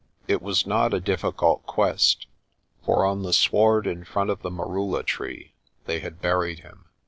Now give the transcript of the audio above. It was not a difficult quest, for on the sward in front of the merula tree they had buried him.